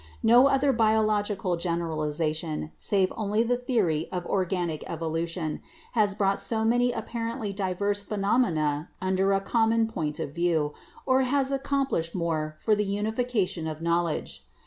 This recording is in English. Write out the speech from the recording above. No other biological generali zation, save only the theory of organic evolution, has brought so many apparently diverse phenomena under a common point of view or has accomplished more for the unification of knowledge.